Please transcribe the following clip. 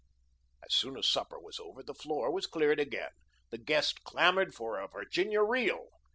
As soon as supper was over, the floor was cleared again. The guests clamoured for a Virginia reel.